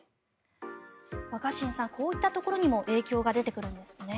若新さん、こういったところにも影響が出てくるんですね。